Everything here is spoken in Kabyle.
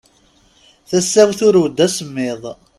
Tasa-w turew-d asemmiḍ.